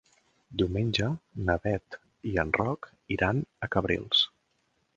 Diumenge na Bet i en Roc iran a Cabrils.